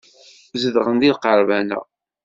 Zedɣen deg lqerban-a.